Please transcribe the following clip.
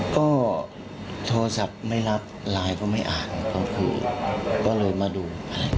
ก็โทรศัพท์ไม่รับไลน์ก็ไม่อ่านเขาคุยก็เลยมาดู